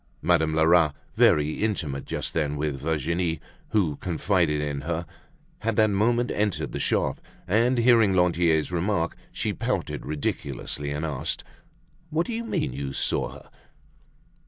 Madame Lerat, very intimate just then with Virginie, who confided in her, had that moment entered the shop, and hearing Lantier's remark, she pouted ridiculously, and asked: "What do you mean, you saw her?"